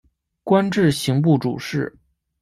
官至刑部主事。